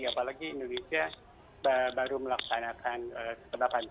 apalagi indonesia baru melaksanakan ketebakan